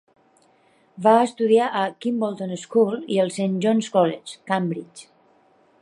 Va estudiar a Kimbolton School i al Saint John's College, Cambridge.